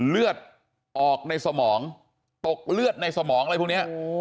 เลือดออกในสมองตกเลือดในสมองอะไรพวกนี้